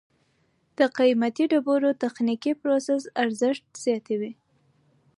د قیمتي ډبرو تخنیکي پروسس ارزښت زیاتوي.